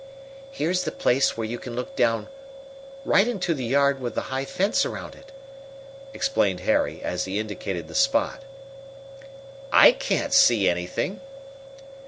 "Here's the place where you can look down right into the yard with the high fence around it," explained Harry, as he indicated the spot. "I can't see anything."